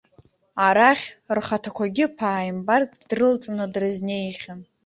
Арахь, рхаҭақәагьы ԥааимбарк дрылҵны дрызнеихьан.